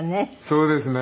そうですね。